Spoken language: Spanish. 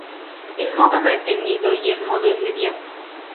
El modo retenido y el modo inmediato.